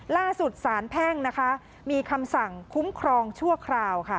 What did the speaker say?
ล่าสุดสารแพ่งนะคะมีคำสั่งคุ้มครองชั่วคราวค่ะ